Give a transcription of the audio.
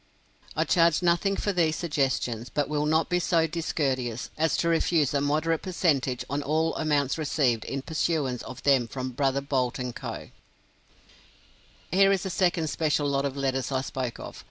I charge nothing for these suggestions; but will not be so discourteous as to refuse a moderate percentage on all amounts received in pursuance of them from Brother Boult & Co. Here is the second special lot of letters I spoke of.